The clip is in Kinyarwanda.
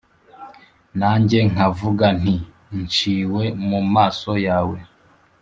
nanjye nkavuga nti ’nciwe mu maso yawe;